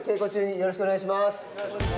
よろしくお願いします。